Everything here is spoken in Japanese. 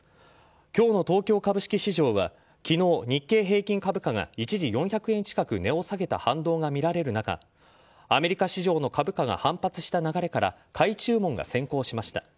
今日の東京株式市場は昨日、日経平均株価が一時４００円近く値を下げた反動が見られる中アメリカ市場の株価が反発した流れから買い注文が先行しました。